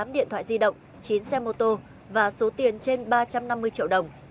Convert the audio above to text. một mươi điện thoại di động chín xe mô tô và số tiền trên ba trăm năm mươi triệu đồng